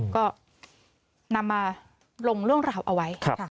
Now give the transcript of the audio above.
ก็นำมาลงเรื่องราวเอาไว้